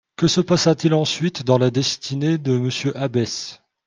Que se passa-t-il ensuite dans la destinée de M Abbesse